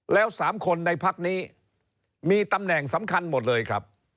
แล้ว๓คนในพักนี้มีตำแหน่งสำคัญหมดเลยครับ